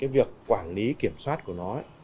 việc quản lý kiểm soát của nó